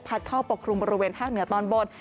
เข้าปกครุมบริเวณภาคเหนือตอนบน